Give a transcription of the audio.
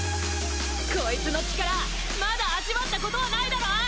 こいつの力まだ味わったことはないだろ？